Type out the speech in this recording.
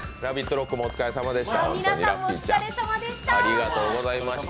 ＲＯＣＫもお疲れさまでした。